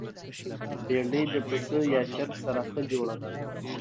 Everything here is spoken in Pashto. بېنډۍ د پسه یا چرګ سره ښه جوړه ده